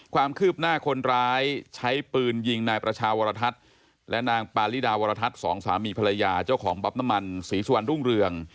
ความคืบหน้าคนร้ายใช้ปืนยิงนายประชาวรทัศน์และนางปาริดาวรทัศน์สองสามีภรรยาเจ้าของบ๊อบน้ำมันศรีสุวรรณรุ่งเรือง